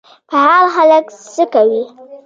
فعال خلک څه کوي؟